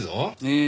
ええ。